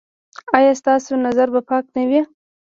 ایا ستاسو نظر به پاک نه وي؟